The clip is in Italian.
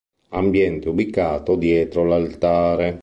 Ambiente ubicato dietro l'altare.